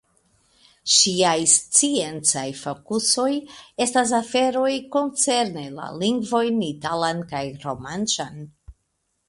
Ŝiaj sciencaj fokusoj estas aferoj koncerne la lingvojn italan kaj romanĉan.